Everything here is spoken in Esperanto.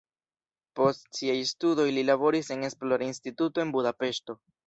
Post siaj studoj li laboris en esplora instituto en Budapeŝto.